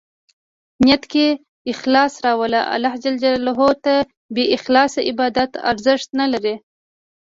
نیت کې اخلاص راوله ، الله ج ته بې اخلاصه عبادت ارزښت نه لري.